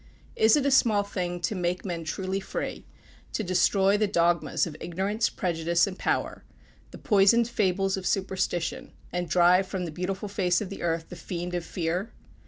Is it a small thing to make men truly free to destroy the dogmas of ignorance, prejudice and power the poisoned fables of superstition, and drive from the beautiful face of the earth the fiend of Fear?